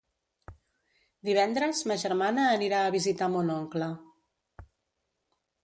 Divendres ma germana anirà a visitar mon oncle.